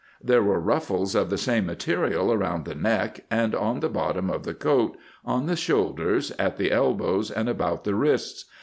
There were ruffles of the same material around the neck and on the bottom of the coat, on the shoulders, at the elbows, and about the wrists.